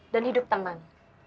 dan hidup tenang